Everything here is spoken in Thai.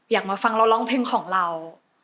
มาฟังเราร้องเพลงของเรา